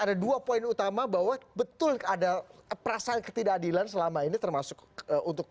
ada dua poin utama bahwa betul ada perasaan ketidakadilan selama ini termasuk untuk